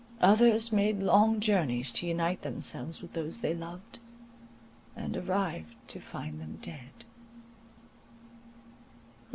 Others made long journies to unite themselves to those they loved, and arrived to find them dead.